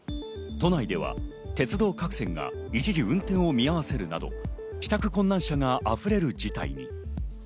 都内では鉄道各線が一時運転を見合わせるなど、帰宅難者が溢れる事態に。